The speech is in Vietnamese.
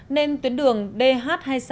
nên tuyến đường dh hai mươi sáu